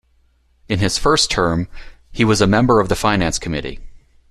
In his first term, he was a member of the Finance Committee.